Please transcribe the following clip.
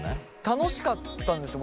楽しかったんですよ。